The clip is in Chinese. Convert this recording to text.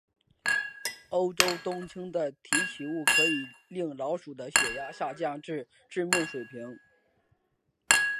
欧洲冬青的提取物可以令老鼠的血压下降至致命水平。